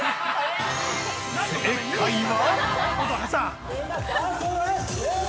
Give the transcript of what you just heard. ◆正解は？